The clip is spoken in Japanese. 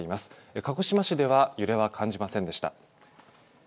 鹿児島市では揺れは感じませんでした。